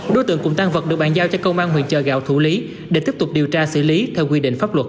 đối tượng cùng tan vật được bàn giao cho công an huyện chợ gạo thủ lý để tiếp tục điều tra xử lý theo quy định pháp luật